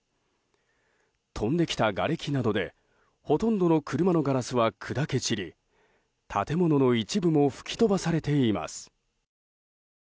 飛んできたがれきなどでほとんどの車のガラスは砕け散り建物の一部も吹き飛ばされています。